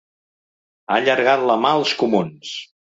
Ha allargat la mà als comuns.